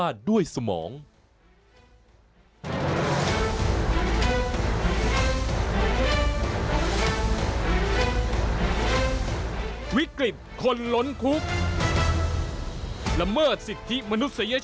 ช่วงวิทย์ตีแสงหน้า